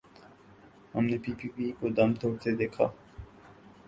ہم نے P P P کو دم توڑتے دیکھا۔